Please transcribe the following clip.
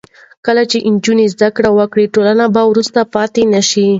کله چې نجونې زده کړه وکړي، ټولنه به وروسته پاتې نه شي.